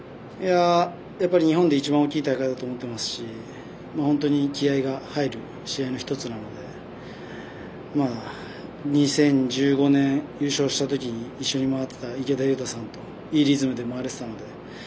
やっぱり、日本で一番大きい大会だと思ってますし本当に気合いが入る試合の１つなので２０１５年、優勝したときに一緒に回っていた池田勇太さんと、いいリズムで回れていたので。